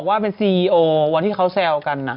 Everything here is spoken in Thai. มีเป็นซีอีออวัวันที่เค้าแซวกันนะ